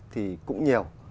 thì cũng nhiều